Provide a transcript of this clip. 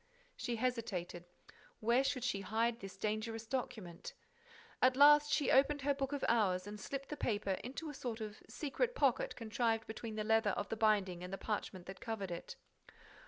She hesitated. Where should she hide this dangerous document? At last, she opened her book of hours and slipped the paper into a sort of secret pocket contrived between the leather of the binding and the parchment that covered it.